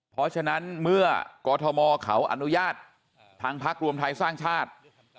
เพราะฉะนั้นเมื่อกรทมเขาอนุญาตทางพักรวมไทยสร้างชาติ